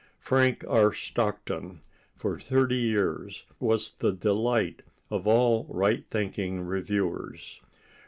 Frank R. Stockton, for thirty years, was the delight of all right thinking reviewers.